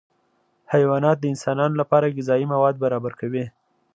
حیوانات د انسانانو لپاره غذایي مواد برابر کوي